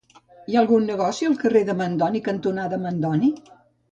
Hi ha algun negoci al carrer Mandoni cantonada Mandoni?